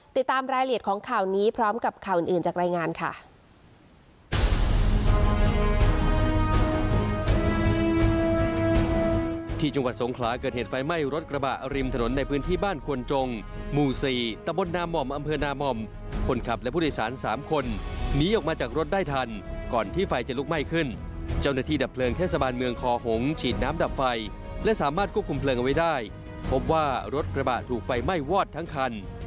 ติดตามรายละเอียดของข่าวนี้พร้อมกับข่าวอื่นจากรายงานค่ะ